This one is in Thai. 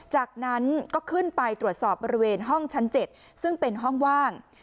จากนั้นก็ขึ้นไปตรวจสอบบริเวณห้องชั้น๗ซึ่งเป็นห้องว่าง